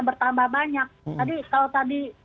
bertambah banyak tadi kalau tadi